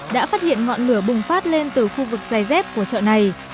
đã phát hiện ngọn lửa bùng phát lên từ khu vực dây dép của chợ này